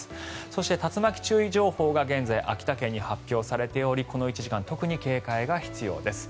そして竜巻注意情報が現在、秋田県に発表されておりこの１時間特に警戒が必要です。